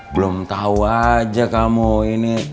belum tahu aja kamu ini